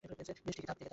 বেশ, টিকে থাক!